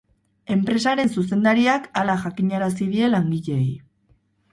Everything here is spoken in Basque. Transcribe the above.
Enpresaren zuzendariak hala jakinarazi die langileei.